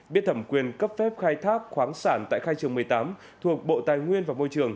biết thẩm quyền cấp phép khai thác khoáng sản tại khai trường một mươi tám thuộc bộ tài nguyên và môi trường